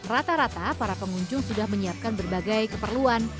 rata rata para pengunjung sudah menyiapkan berbagai keperluan